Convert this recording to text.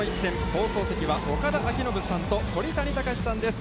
放送席は岡田彰布さんと鳥谷敬さんです。